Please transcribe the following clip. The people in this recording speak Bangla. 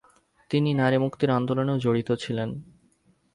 তিনি নারী মুক্তির আন্দোলনেও জড়িত ছিলেন।